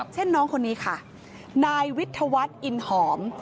เช่นน้องคนนี้ค่ะนายวิทยาวัฒน์อินหอม